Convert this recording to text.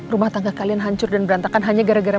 rumah tangga kalian hancur dan berantakan hanya gara gara